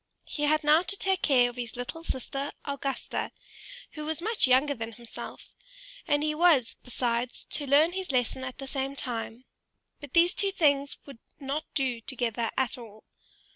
He had now to take care of his little sister Augusta, who was much younger than himself, and he was, besides, to learn his lesson at the same time; but these two things would not do together at all.